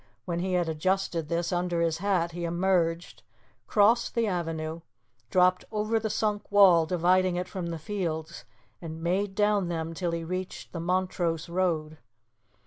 When he had adjusted this under his hat he emerged, crossed the avenue, dropped over the sunk wall dividing it from the fields, and made down them till he reached the Montrose road.